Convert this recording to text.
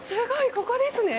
ここですね。